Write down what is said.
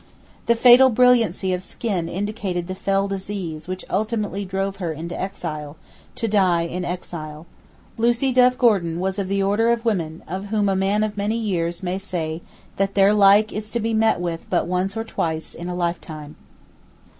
The fatal brilliancy of skin indicated the fell disease which ultimately drove her into exile, to die in exile. Lucie Duff Gordon was of the order of women of whom a man of many years may say that their like is to be met but once or twice in a lifetime.